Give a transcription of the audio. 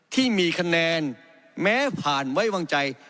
ที่มีคะแนนแม้ผ่านไว้วางใจ